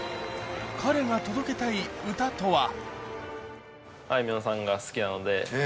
彼が届けたい歌とは？